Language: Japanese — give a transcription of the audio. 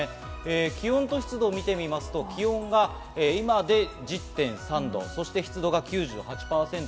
気温と湿度を見てみますと、気温が今で１０．３度、湿度が９８％です。